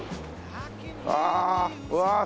ああうわあ